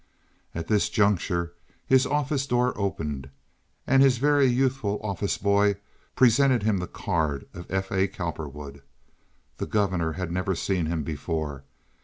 At this juncture his office door opened, and his very youthful office boy presented him the card of F. A. Cowperwood. The governor had never seen him before.